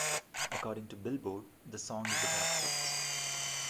According to "Billboard", the song is about sex.